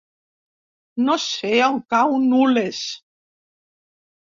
No sé on cau Nules.